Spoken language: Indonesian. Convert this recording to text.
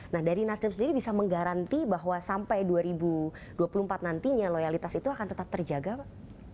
nah dari nasdem sendiri bisa menggaranti bahwa sampai dua ribu dua puluh empat nantinya loyalitas itu akan tetap terjaga pak